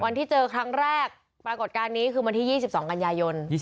วันที่เจอครั้งแรกปรากฏการณ์นี้คือวันที่๒๒กันยายน